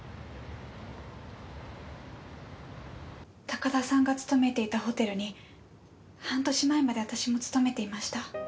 高田さんが勤めていたホテルに半年前まで私も勤めていました。